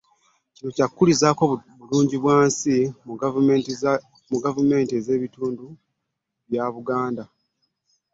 Kuno lwa kukulizaako Bulungibwansi ne gavumenti z'ebitundu mu Buganda